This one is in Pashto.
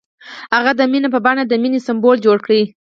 هغه د مینه په بڼه د مینې سمبول جوړ کړ.